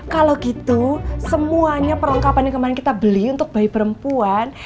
kalau gitu semuanya perlengkapan yang kemarin kita beli untuk bayi perempuan